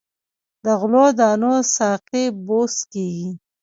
د غلو دانو ساقې بوس کیږي.